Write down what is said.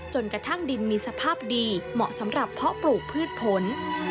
กระทั่งดินมีสภาพดีเหมาะสำหรับเพาะปลูกพืชผล